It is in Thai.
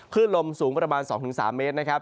ขึ้นลมสูงประมาณ๒๓เมตรนะครับ